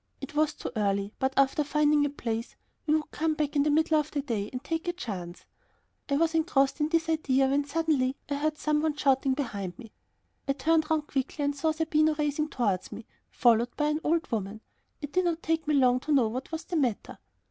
It was too early, but after finding a place we would come back in the middle of the day and take a chance. I was engrossed with this idea, when suddenly I heard some one shouting behind me. I turned round quickly and saw Zerbino racing towards me, followed by an old woman. It did not take me long to know what was the matter.